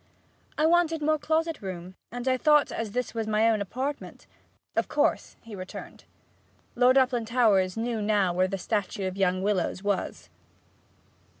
'I wanted more closet room; and I thought that as this was my own apartment ' 'Of course,' he returned. Lord Uplandtowers knew now where the statue of young Willowes was.